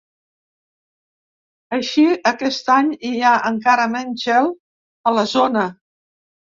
Així, aquest any hi ha encara menys gel a la zona.